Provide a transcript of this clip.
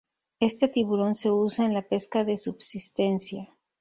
Este tiburón se usa en la pesca de subsistencia.